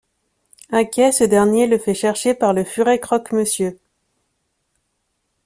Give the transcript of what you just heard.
Inquiet, ce dernier le fait chercher par le furet Croque-Monsieur.